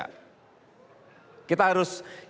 mereka harus dilakukan secara rasmi